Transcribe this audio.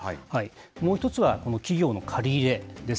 もう１つは、この企業の借り入れです。